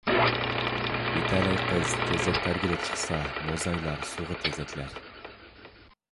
بىتەلەي قىز تېزەك تەرگىلى چىقسا، موزايلار سۇغا تېزەكلەر.